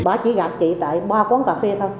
bà chỉ gặp chị tại ba quán cà phê thôi